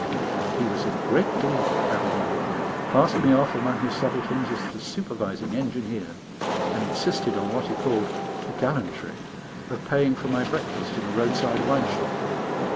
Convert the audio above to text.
He was in great glee at having me with him, passed me off among his subalterns as the supervising engineer, and insisted on what he called "the gallantry" of paying for my breakfast in a roadside wine shop.